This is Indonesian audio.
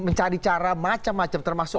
mencari cara macam macam termasuk